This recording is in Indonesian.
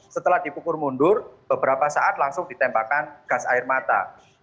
setelah dipukul mundur beberapa saat langsung ditembakkan gas air mata